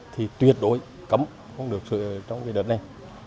thì tuyệt đối cấm không được xuất xứ trong đợt này